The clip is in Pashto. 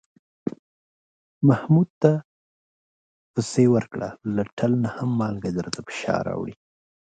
محمود ته پسې ورکړه، له ټل نه هم مالگه درته په شا راوړي.